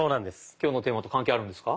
今日のテーマと関係あるんですか？